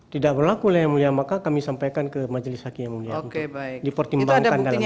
tidak berlaku lah yang mulia maka kami sampaikan ke majelis hakim yang mulia untuk baik dipertimbangkan dalam